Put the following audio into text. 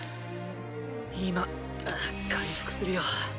今回復するよ。